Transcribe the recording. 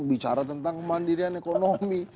bicara tentang kemandirian ekonomi